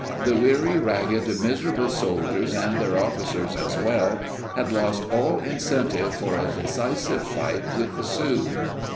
The weary, ragged, miserable sol diers, and their officers as well, had lost all incentive for a decisive fight with the Sioux.